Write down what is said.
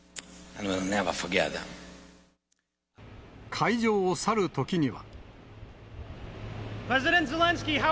会場を去るときには。